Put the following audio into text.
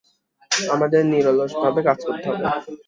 আমাদের নিরলসভাবে কাজ করতে হবে।